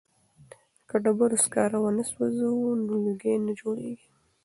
که ډبرو سکاره ونه سوځوو نو لوګی نه جوړیږي.